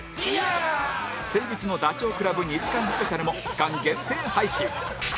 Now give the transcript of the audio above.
先日のダチョウ倶楽部２時間スペシャルも期間限定配信